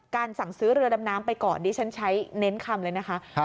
สั่งซื้อเรือดำน้ำไปก่อนดิฉันใช้เน้นคำเลยนะคะ